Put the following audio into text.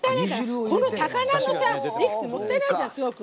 この魚のエキスもったいないじゃん、すごく。